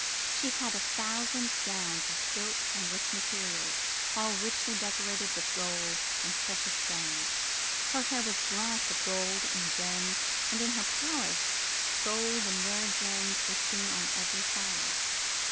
She had a thousand gowns of silk and rich materials, all richly decorated with gold and precious stones. Her hair was bright with gold and gems and in her Palace gold and rare jewels were seen on every side.